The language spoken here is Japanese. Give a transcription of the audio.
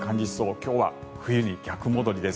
今日は冬に逆戻りです。